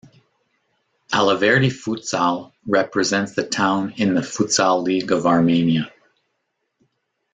"Alaverdi futsal" represents the town in the Futsal League of Armenia.